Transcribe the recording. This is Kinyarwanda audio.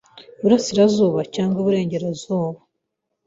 iburasirazuba cyangwa iburengerazuba